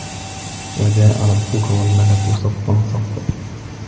وَجاءَ رَبُّكَ وَالمَلَكُ صَفًّا صَفًّا